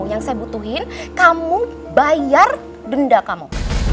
yang saya butuhin kamu bayar denda kamu